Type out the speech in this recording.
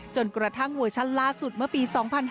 จนกระทั่งหัวชันล่าสุดเมื่อปี๒๕๖๔